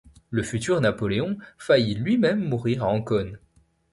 Le futur Napoléon faillit lui-même mourir à Ancône.